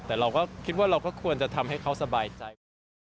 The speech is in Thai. แต่เราก็คิดว่าเราก็ควรจะทำให้เขาสบายใจกว่า